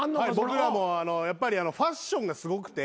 僕らもやっぱりファッションがすごくて。